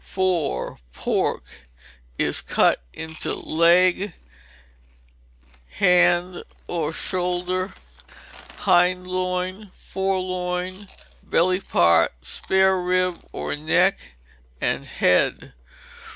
_ iv. Pork is cut into leg, hand or shoulder; hind loin; fore loin; belly part; spare rib, or neck; and head.